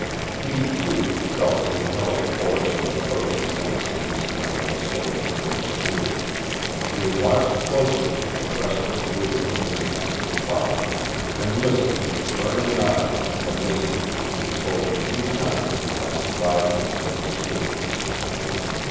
He, too, felt the impelling force of an approaching menace in this night of stillness and mystery, and he watched closely the restless movements of his master's body, and listened with burning eyes to the name which he had spoken three times in the last five minutes of his sleep.